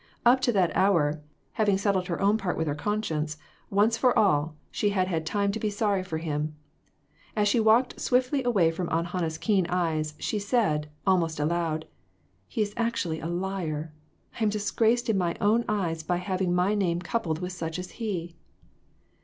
Up to that hour, having settled her own part with her conscience, once for all, she had had time to be sorry for him. As she walked swiftly away from Aunt Hannah's keen eyes, she said, almost aloud "He is actually a liar! I am disgraced in my own eyes by having my name coupled with such as he